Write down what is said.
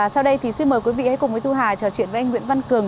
sau đây thì xin mời quý vị hãy cùng thu hà trò chuyện với anh nguyễn văn cường